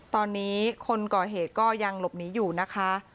ตอนนี้คนก่อเหตุก็ยังหลบหนีอยู่นะคะ